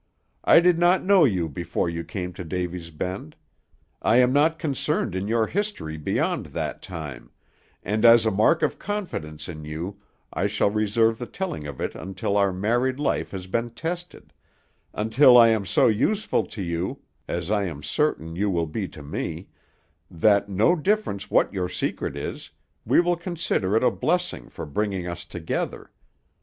"I did not know you before you came to Davy's Bend: I am not concerned in your history beyond that time, and as a mark of confidence in you I shall reserve the telling of it until our married life has been tested: until I am so useful to you (as I am certain you will be to me) that, no difference what your secret is, we will consider it a blessing for bringing us together.